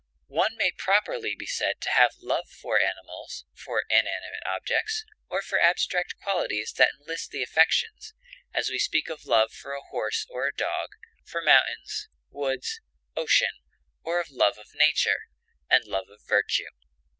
One may properly be said to have love for animals, for inanimate objects, or for abstract qualities that enlist the affections, as we speak of love for a horse or a dog, for mountains, woods, ocean, or of love of nature, and love of virtue.